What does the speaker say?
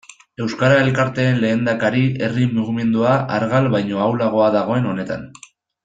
Euskara elkarteen lehendakari, herri mugimendua argal baino ahulago dagoen honetan.